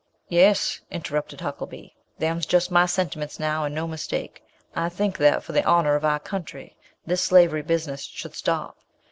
"Yes," interrupted Huckelby; "them's just my sentiments now, and no mistake. I think that, for the honour of our country, this slavery business should stop.